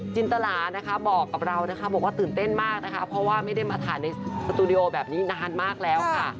จินตลานะคะบอกกับเรานะคะบอกว่าตื่นเต้นมากนะคะเพราะว่าไม่ได้มาถ่ายในสตูดิโอแบบนี้นานมากแล้วค่ะ